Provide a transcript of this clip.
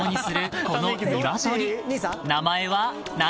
［名前は何？］